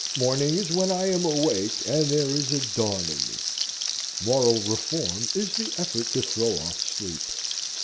Morning is when I am awake and there is a dawn in me. Moral reform is the effort to throw off sleep.